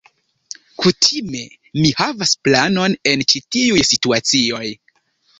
Kutime, mi havas planon en ĉi tiuj situacioj.